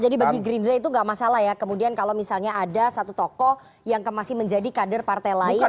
jadi bagi greendraft itu gak masalah ya kemudian kalau misalnya ada satu toko yang masih menjadi kader partai lain